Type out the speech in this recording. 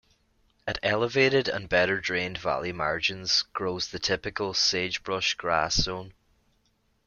At elevated and better-drained valley margins grows the typical sagebrush-grass zone.